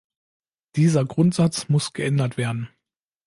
Dieser Grundsatz muss geändert werden.